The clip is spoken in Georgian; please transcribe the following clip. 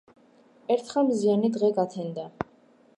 ერთხელ მზიანი დღე გათენდა.